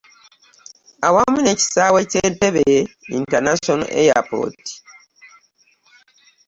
Awamu n'ekisaawe kya Entebbe International Airport.